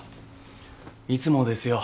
いつもですよ。